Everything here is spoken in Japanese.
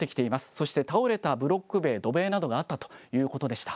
そして倒れたブロック塀、土塀などがあったということでした。